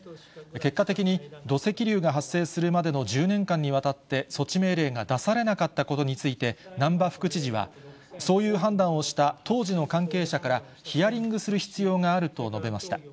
結果的に土石流が発生するまでの１０年間にわたって、措置命令が出されなかったことについて、難波副知事は、そういう判断をした当時の関係者から、ヒヤリングする必要があると述べました。